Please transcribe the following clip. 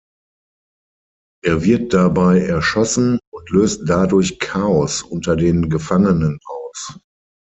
Er wird dabei erschossen und löst dadurch Chaos unter den Gefangenen aus.